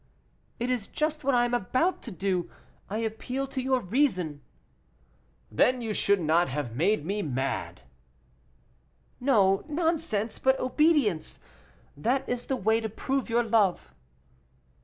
"It is just what I am about to do. I appeal to your reason." "Then you should not have made me mad." "No nonsense, but obedience that is the way to prove your love."